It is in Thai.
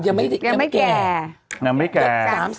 ยังไม่แก่